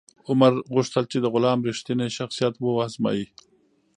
عمر غوښتل چې د غلام رښتینی شخصیت و ازمایي.